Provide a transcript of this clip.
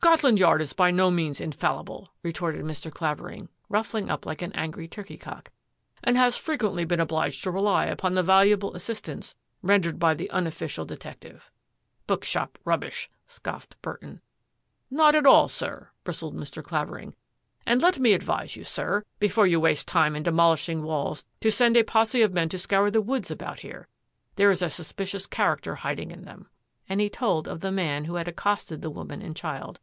" Scotland Yard is by no means infallible," retorted Mr. Clavering, ruffling up like an angry turkey cock, " and has frequently been obliged to rely upon the valuable assistance rendered by the unofficial detective." " Bookshop rubbish !" scoffed Burton. " Not at all, sir," bristled Mr. Clavering, " and let me advise you, sir, before you waste time in de molishing walls to send a posse of men to scour the woods about here. There is a suspicious character hiding in them." And he told of the man who had accosted the woman and child.